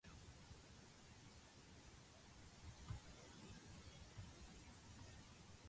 The resulting cash injection allowed a doubling of expansion at Northfleet through additional investment.